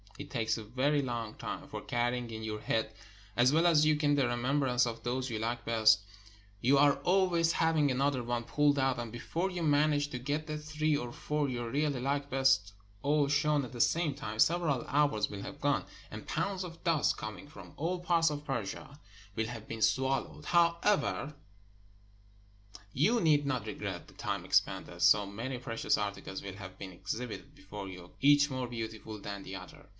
It takes a very long time ; for, carrying in your head as well as you can the remembrance of those you like best, you are always having another one pulled out, and before you manage to get the three or four you really like best all shown at the same time, several hours will have gone, and pounds of dust, coming from all parts of Persia, will * About forty cents. 426 THE TERSIAN BAZAARS have been swallowed. However, you need not regret the time expended, so many precious articles will have been exhibited before you, each more beautiful than the other.